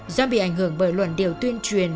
do bị ảnh hưởng bởi luận điều tuyên truyền